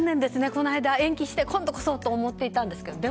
この間、延期して今度こそと思っていたんですけど。